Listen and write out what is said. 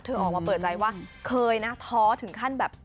ออกมาเปิดใจว่าเคยนะท้อถึงขั้นแบบ